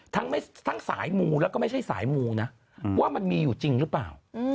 ทั้งสายมูแล้วก็ไม่ใช่สายมูนะว่ามันมีอยู่จริงหรือเปล่า